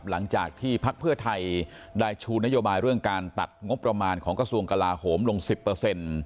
หลังจากที่พักเพื่อไทยได้ชูนโยบายเรื่องการตัดงบประมาณของกระทรวงกลาโหมลงสิบเปอร์เซ็นต์